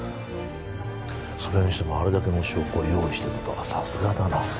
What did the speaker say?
それにしてもあれだけの証拠を用意していたとはさすがだな